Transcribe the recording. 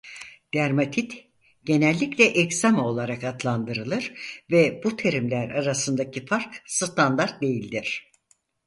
Dermatit genellikle egzama olarak adlandırılır ve bu terimler arasındaki fark standart değildir.